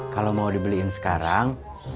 kalau mau dibeliin sekarang